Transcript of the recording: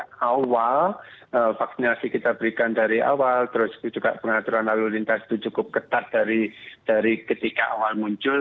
sejak awal vaksinasi kita berikan dari awal terus juga pengaturan lalu lintas itu cukup ketat dari ketika awal muncul